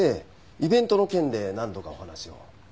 イベントの件で何度かお話を。